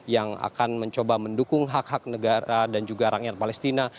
yang akan mencoba mendukung hak hak negara dan juga rakyat palestina